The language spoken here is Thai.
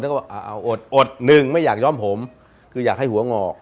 แล้วก็บอกเอาอดอดหนึ่งไม่อยากย้อมผมคืออยากให้หัวงอก